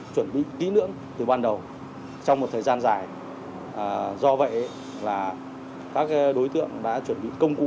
chuẩn bị kỹ lưỡng từ ban đầu trong một thời gian dài do vậy là các đối tượng đã chuẩn bị công cụ